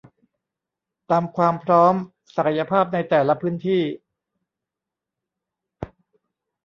ตามความพร้อม ศักยภาพในแต่ละพื้นที่